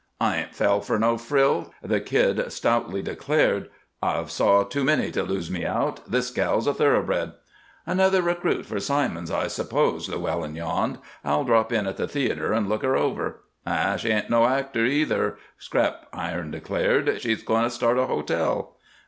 "I 'ain't fell for no frill," the Kid stoutly declared. "I've saw too many to lose me out. This gal's a thoroughbred." "Another recruit for Simons, I suppose," Llewellyn yawned. "I'll drop in at the theater and look her over." "An' she ain't no actor, neither," Scrap Iron declared. "She's goin' to start a hotel."